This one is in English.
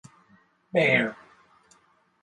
Bayer.